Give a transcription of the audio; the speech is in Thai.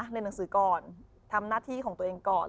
เรียนหนังสือก่อนทำหน้าที่ของตัวเองก่อน